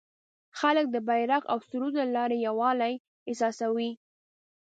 خلک د بیرغ او سرود له لارې یووالی احساسوي.